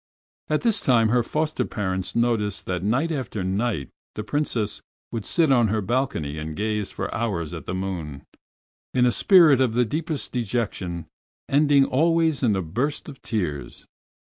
At this time her foster parents noticed that night after night the Princess would sit on her balcony and gaze for hours at the moon, in a spirit of the deepest dejection, ending always in a burst of tears.